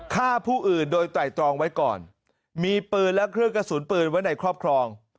ฆ่าผู้อื่นโดยไตรตรองไว้ก่อนมีปืนและเครื่องกระสุนปืนไว้ในครอบครอง